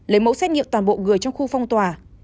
lấy mẫu xét nghiệm toàn bộ người trong khu phong tỏa